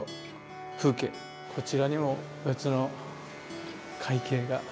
こちらにも別の「海景」が。